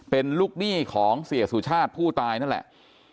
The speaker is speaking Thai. เป็นลูกหนี้ของเสียสุชาติผู้ตายนั่นแหละ